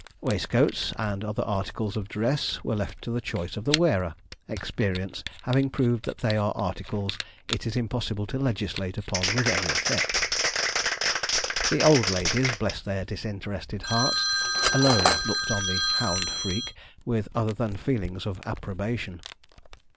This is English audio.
Waistcoats, and other articles of dress, were left to the choice of the wearer, experience having proved that they are articles it is impossible to legislate upon with any effect. The old ladies, bless their disinterested hearts, alone looked on the hound freak with other than feelings of approbation.